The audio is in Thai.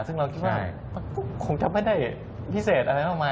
ซึ่งเราคิดว่าคงจะไม่ได้พิเศษอะไรมากมาย